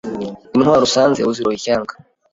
Intwari usanze uziroha ishyanga